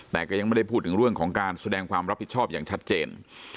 แต่ก็ยังไม่ได้พูดถึงเรื่องของการแสดงความรับผิดชอบอย่างชัดเจน